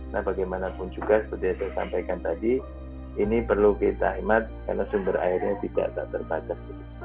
nah bagaimanapun juga seperti yang saya sampaikan tadi ini perlu kita hemat karena sumber airnya tidak terbatas